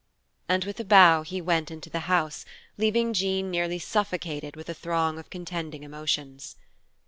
And with a bow he went into the house, leaving Jean nearly suffocated with a throng of contending emotions.